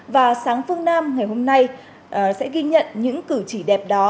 và sáng phương nam ngày hôm nay sẽ ghi nhận những cử chỉ đẹp đó